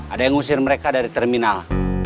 ada yang ngusir mereka dari terminal